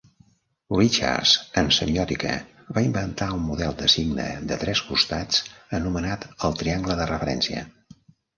Richards, en semiòtica, va inventar un model de signe de tres costats anomenat el triangle de referència.